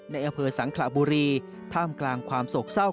ในอำเภอสังขระบุรีท่ามกลางความโศกเศร้า